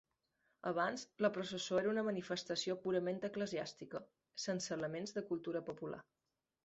Abans la processó era una manifestació purament eclesiàstica, sense elements de cultura popular.